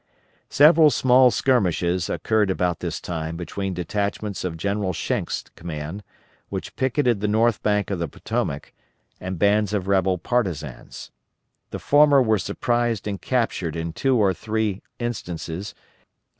Several small skirmishes occurred about this time between detachments of General Schenck's command, which picketed the north bank of the Potomac, and bands of rebel partisans. The former were surprised and captured in two or three instances.